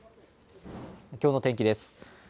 きょうの天気です。